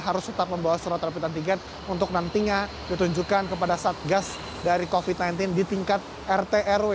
harus tetap membawa surat rapid antigen untuk nantinya ditunjukkan kepada satgas dari covid sembilan belas di tingkat rt rw